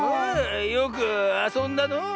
よくあそんだのう。